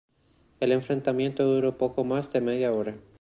El enfrentamiento duró poco más de media hora.